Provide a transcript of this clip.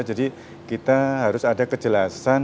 jadi kita harus ada kejelasan